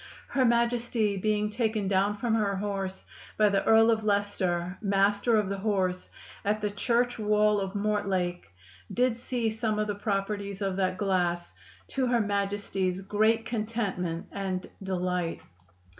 Her Majestie being taken down from her horse by the Earle of Liecester, Master of the Horse, at the church wall of Mortlake, did see some of the properties of that glass, to her Majestie's great contentment and delight.